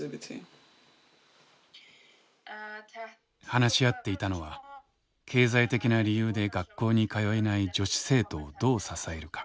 話し合っていたのは経済的な理由で学校に通えない女子生徒をどう支えるか。